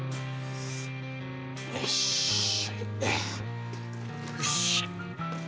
よし！